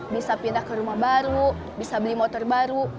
bisa pindah ke rumah baru bisa beli motor baru